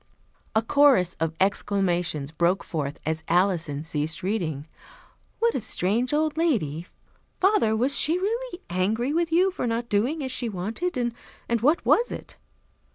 A chorus of exclamations broke forth as Alison ceased reading. "What a strange old lady! Father, was she really angry with you for not doing as she wanted? And what was it?"